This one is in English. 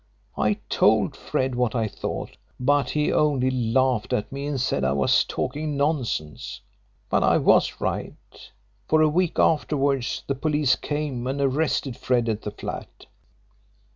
I told Fred what I thought, but he only laughed at me and said I was talking nonsense. But I was right, for a week afterwards the police came and arrested Fred at the flat."